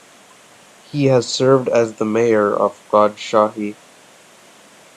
He has served as the Mayor of Rajshahi.